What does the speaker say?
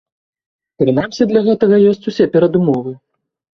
Прынамсі, для гэтага ёсць усе перадумовы.